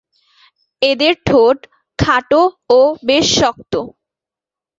এদের ঠোঁট খাটো ও বেশ শক্ত।